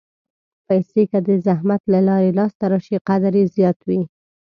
پېسې که د زحمت له لارې لاسته راشي، قدر یې زیات وي.